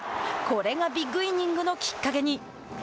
これがビッグイニングのきっかけに。